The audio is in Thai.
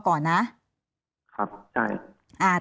ครับไง